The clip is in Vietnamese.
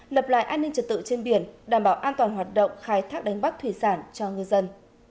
lập lại an ninh trật tự trên biển đảm bảo an toàn hoạt động khai thác đánh bắt thủy sản cho ngư dân